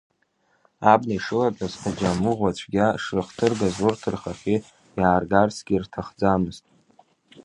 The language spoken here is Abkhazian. Абна ишылатәаз, аџьамыӷәацәгьа шрыхҭыргаз урҭ рхахьы иааргарцгьы рҭахӡамызт.